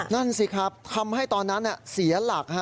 นั่นสิครับทำให้ตอนนั้นเสียหลัก